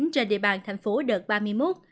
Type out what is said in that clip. trên địa bàn thành phố đợt ba mươi một